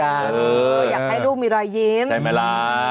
อยากให้ลูกมีรอยยิ้มใช่ไหมล่ะ